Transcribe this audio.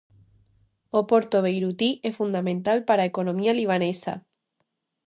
O porto beirutí é fundamental para a economía libanesa.